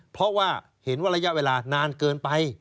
เพราะว่าเห็นว่าระยะเวลานานเกินไป